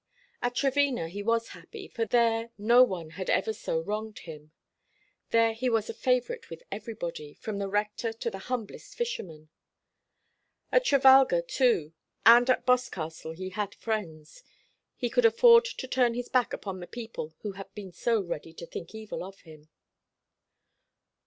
At Trevena he was happy, for there no one had ever so wronged him; there he was a favourite with everybody, from the rector to the humblest fisherman. At Trevalga, too, and at Boscastle he had friends. He could afford to turn his back upon the people who had been so ready to think evil of him.